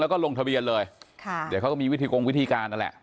แล้วก็ลงทะเบียนเลยค่ะเดี๋ยวเขาก็มีวิธีกงวิธีการนั่นแหละ